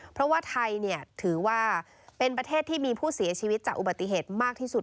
เพราะว่าไทยถือว่าเป็นประเทศที่มีผู้เสียชีวิตจากอุบัติเหตุมากที่สุด